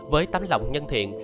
với tấm lòng nhân thiện